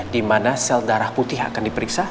dimana sel darah putih akan diperiksa